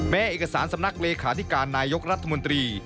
เอกสารสำนักเลขาธิการนายกรัฐมนตรี